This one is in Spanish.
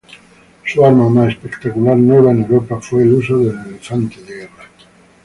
Su arma más espectacular, nueva en Europa, fue el uso del elefante de guerra.